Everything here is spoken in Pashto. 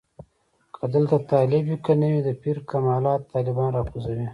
که دلته طالب وي که نه وي د پیر کمالات طالبان راکوزوي.